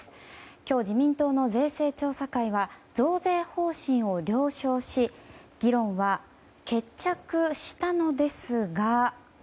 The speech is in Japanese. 今日、自民党の税制調査会は増税方針を了承し議論は決着したのですが。